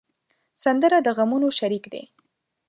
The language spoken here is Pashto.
سندره د غمونو شریک دی